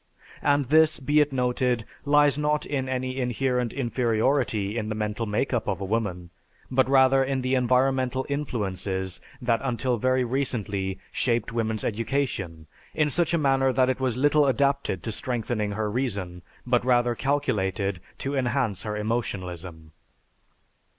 And this, be it noted, lies not in any inherent inferiority in the mental make up of woman, but rather in the environmental influences that until very recently shaped woman's education in such a manner that it was little adapted to strengthening her reason, but rather calculated to enhance her emotionalism.